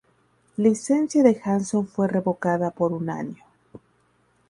Licencia de Hanson fue revocada por un año.